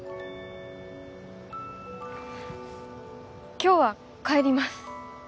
今日は帰ります